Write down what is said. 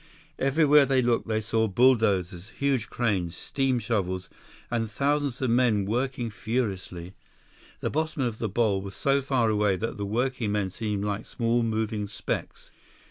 Everywhere they looked they saw bulldozers, huge cranes, steam shovels, and thousands of men working furiously. The bottom of the bowl was so far away that the working men seemed like small moving specks.